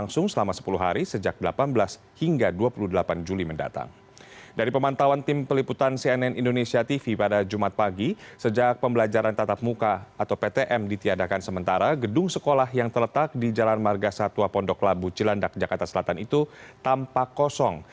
selain pelajaran tatap muka atau ptm ditiadakan sementara gedung sekolah yang terletak di jalan margasa tua pondok labu jelandak jakarta selatan itu tampak kosong